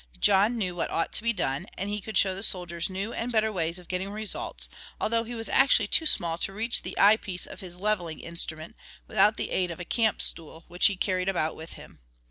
John knew what ought to be done, and he could show the soldiers new and better ways of getting results, although he was actually too small to reach the eyepiece of his leveling instrument without the aid of a camp stool which he carried about with him.